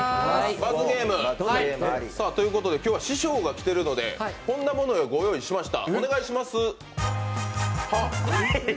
罰ゲーム、ということで今日は師匠が来てるのでこんなものをご用意しました。